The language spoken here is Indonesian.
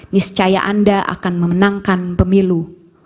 niscaya anda akan memenangkan pemilu